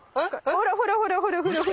ほらほらほらほら。